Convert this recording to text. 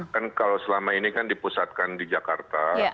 kan kalau selama ini kan dipusatkan di jakarta